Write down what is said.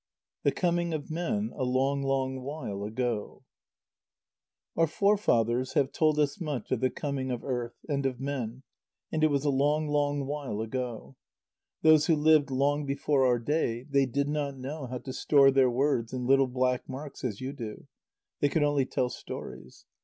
THE COMING OF MEN, A LONG, LONG WHILE AGO Our forefathers have told us much of the coming of earth, and of men, and it was a long, long while ago. Those who lived long before our day, they did not know how to store their words in little black marks, as you do; they could only tell stories.